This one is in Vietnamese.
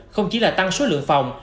không chỉ là tăng số lượng phòng